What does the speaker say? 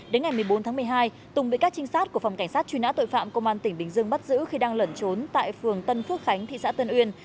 đến ngày một mươi bốn tháng một mươi hai tùng bị các trinh sát của phòng cảnh sát truy nã tội phạm công an tỉnh bình dương bắt giữ khi đang lẩn trốn tại phường tân phước khánh thị xã tân uyên